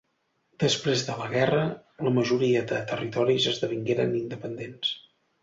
Després de la guerra, la majoria de territoris esdevingueren independents.